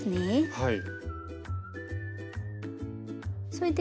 はい。